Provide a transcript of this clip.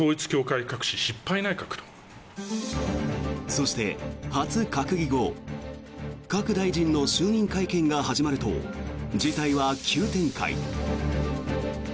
そして、初閣議後各大臣の就任会見が始まると事態は急展開。